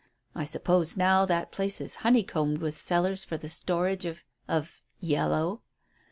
I suppose now that place is honeycombed with cellars for the storage of of yellow.